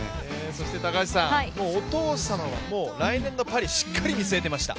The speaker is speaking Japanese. そしてお父様は来年のパリ、しっかり見据えてました。